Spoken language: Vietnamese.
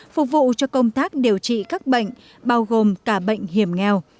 phục vụ cho công tác điều trị các bệnh bao gồm cả bệnh hiểm nghèo